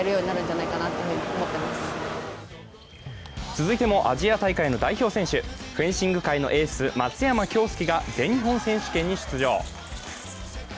続いてもアジア大会の代表選手、フェンシング界のエース、松山恭助が全日本選手権に出場。